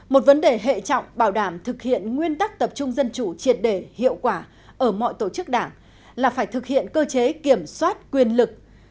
một vấn đề hệ trọng bảo đảm thực hiện nguyên tắc tập trung dân chủ triệt đề hiệu quả ở mọi tổ chức đảng là phải thực hiện cơ chế kiểm soát quyền lực